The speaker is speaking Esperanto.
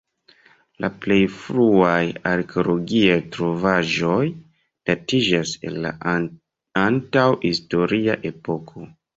La plej fruaj arkeologiaj trovaĵoj datiĝas el la antaŭ-historia epoko.